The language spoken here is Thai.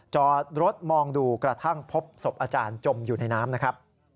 จอดรถมองดูกระทั่งพบศพอาจารย์จมอยู่ในน้ำนะครับ